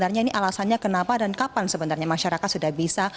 terkait dengan alasannya kenapa dan kapan masyarakat sudah bisa menggunakan tol becakayu ini